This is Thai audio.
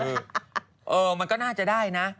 เออมันก็น่าจะได้นะ